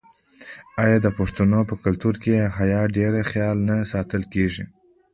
آیا د پښتنو په کلتور کې د حیا ډیر خیال نه ساتل کیږي؟